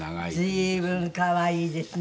随分可愛いですね。